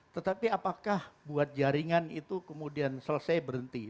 tetapi apakah buat jaringan itu kemudian selesai berhenti